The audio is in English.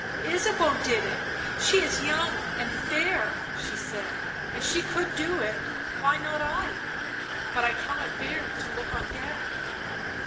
" Ysabeau did it — she is young and fair," she said. " And she could do it — why not I? But I cannot bear to look on death."